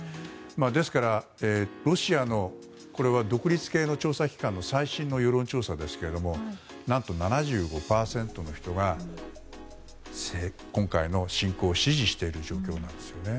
ですから、こちらはロシアの独立系の調査機関の最新の世論調査ですけれども何と７５％の人が今回の侵攻を支持している状況なんです。